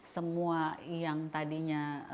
semua yang tadinya